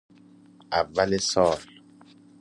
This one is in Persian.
اول سال